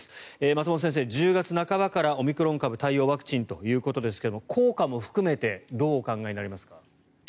松本先生、１０月半ばからオミクロン株対応ワクチンということですが効果も含めてどうお考えになりますか？